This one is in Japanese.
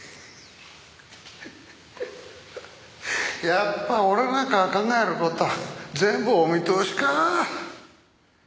やっぱ俺なんかが考える事は全部お見通しか。